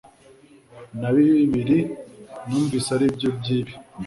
na bibiri numvise ari byo by’ibi